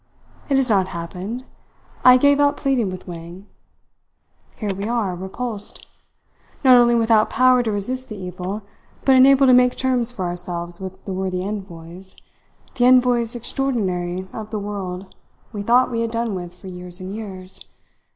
"It has not happened. I gave up pleading with Wang. Here we are, repulsed! Not only without power to resist the evil, but unable to make terms for ourselves with the worthy envoys, the envoys extraordinary of the world we thought we had done with for years and years.